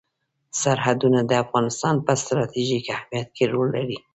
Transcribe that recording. سرحدونه د افغانستان په ستراتیژیک اهمیت کې رول لري.